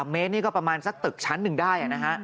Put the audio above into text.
เมตรนี่ก็ประมาณสักตึกชั้นหนึ่งได้นะฮะ